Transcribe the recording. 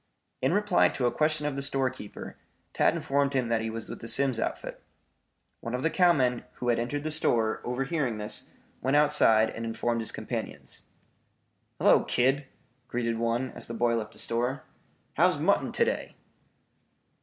In reply to a question of the storekeeper, Tad informed him that he was with the Simms outfit. One of the cowmen who had entered the store, overhearing this, went outside and informed his companions. "Hello, kid," greeted one, as the boy left the store. "How's mutton to day?"